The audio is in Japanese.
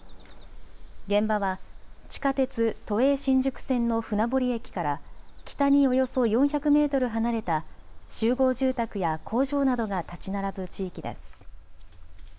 現場は地下鉄、都営新宿線の船堀駅から北におよそ４００メートル離れた集合住宅や工場などが建ち並ぶ地域です。